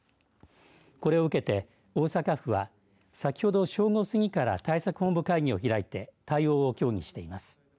これを受けて、大阪府は先ほど正午過ぎから対策本部会議を開いて対応を協議しています。